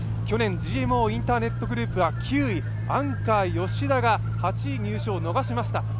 去年、ＧＭＯインターネットグループは９位アンカー・吉田が８位入賞を逃しました。